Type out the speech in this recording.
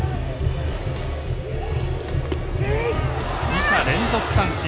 二者連続三振。